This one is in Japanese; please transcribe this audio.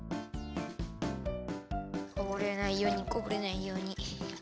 こぼれないようにこぼれないように。